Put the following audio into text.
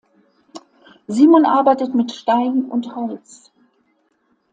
Simon arbeitet mit Stein und Holz.